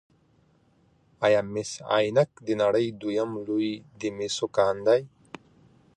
آیا مس عینک د نړۍ دویم لوی د مسو کان دی؟